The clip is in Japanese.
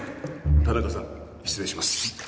田中さん失礼します。